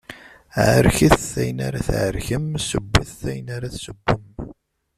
Ɛerket ayen ara tɛerkem, sewwet ayen ara tsewwem.